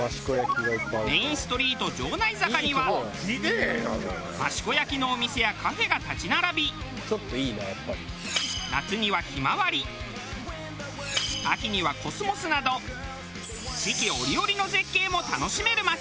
メインストリート城内坂には益子焼のお店やカフェが立ち並び夏にはひまわり秋にはコスモスなど四季折々の絶景も楽しめる町。